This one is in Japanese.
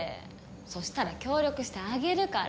そしたら協力してあげるから。